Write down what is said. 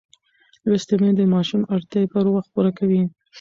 لوستې میندې د ماشوم اړتیاوې پر وخت پوره کوي.